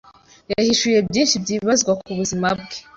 yahishuye byinshi byibazwa ku buzima bwe